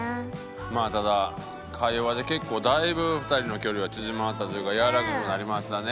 まあただ会話で結構だいぶ２人の距離は縮まったというかやわらかくなりましたね。